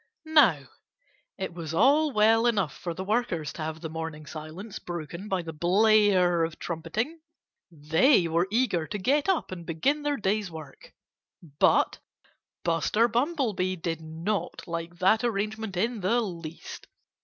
Now, it was all well enough for the workers to have the morning silence broken by the blare of trumpeting. They were eager to get up and begin their day's work. But Buster Bumblebee did not like that arrangement in the least.